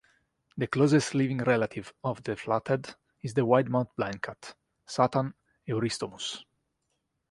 The closest living relative of the flathead is the widemouth blindcat, "Satan eurystomus".